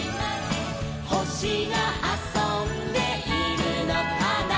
「ほしがあそんでいるのかな」